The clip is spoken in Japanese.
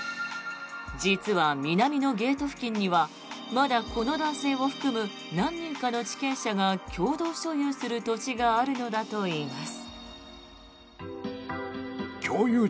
実は南のゲート付近にはまだこの男性を含む何人かの地権者が共同所有する土地があるのだといいます。